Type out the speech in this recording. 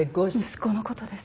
息子のことです。